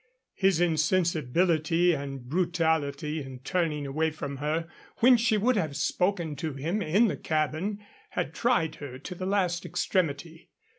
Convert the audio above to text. His insensibility and brutality in turning away from her when she would have spoken to him in the cabin had tried her to the last extremity.